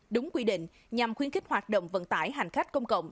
đúng quy định nhằm khuyến khích hoạt động vận tải hành khách công cộng